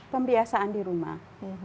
pembiasaan di rumah